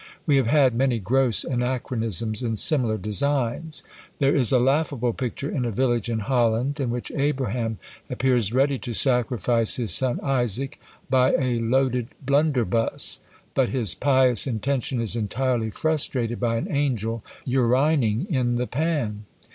We have had many gross anachronisms in similar designs. There is a laughable picture in a village in Holland, in which Abraham appears ready to sacrifice his son Isaac by a loaded blunderbuss; but his pious intention is entirely frustrated by an angel urining in the pan.